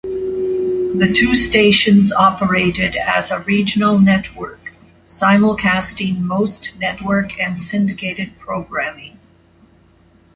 The two stations operated as a regional network simulcasting most network and syndicated programming.